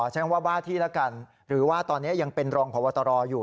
ใช้คำว่าบ้าที่แล้วกันหรือว่าตอนนี้ยังเป็นรองพบตรอยู่